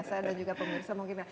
saya dan juga pemirsa mungkin ya